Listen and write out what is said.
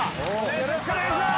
よろしくお願いします